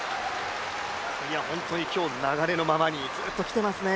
本当に今日、流れのままにずっときていますね。